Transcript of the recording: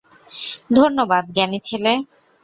ধন্যবাদ, জ্ঞানী ছেলে।